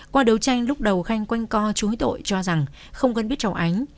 qua đấu tranh lúc đầu khanh quanh co chú ý tội cho rằng không gần biết cháu ánh